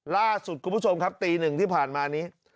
ล่าสุดคุณผู้ชมครับตีหนึ่งที่ผ่านมานี้